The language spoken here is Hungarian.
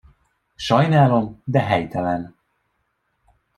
Sajnálom, de helytelen.